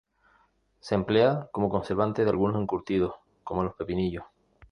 Se emplea como conservante de algunos encurtidos, como los pepinillos.